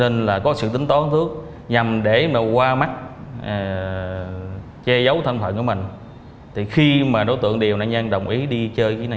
nhưng subscribe cho kênh nhé